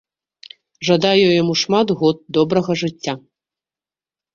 Жадаю яму шмат год добрага жыцця!